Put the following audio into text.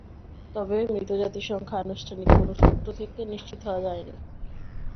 তবে মৃত যাত্রীর সংখ্যা আনুষ্ঠানিক কোনো সূত্র থেকে নিশ্চিত হওয়া যায়নি।